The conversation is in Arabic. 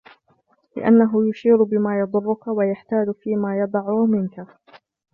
لِأَنَّهُ يُشِيرُ بِمَا يَضُرُّك وَيَحْتَالُ فِيمَا يَضَعُ مِنْك